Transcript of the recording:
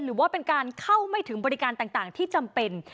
หรือว่าเป็นการเข้าไม่ถึงบริการต่างที่จำเป็น